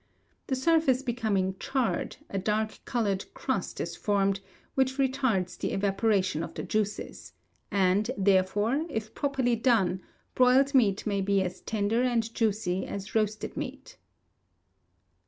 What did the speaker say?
The surface becoming charred, a dark coloured crust is formed, which retards the evaporation of the juices; and, therefore, if properly done, broiled meat may he as tender and juicy as roasted meat.